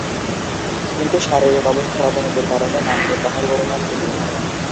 কিন্তু শারীরিক অবস্থার অবনতির কারণে নাম প্রত্যাহার করে নেন তিনি।